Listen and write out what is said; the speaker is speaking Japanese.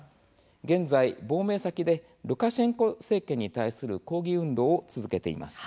現在、亡命先でルカシェンコ政権に対する抗議運動を続けています。